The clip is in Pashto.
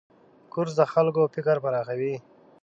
کورس د خلکو فکر پراخوي.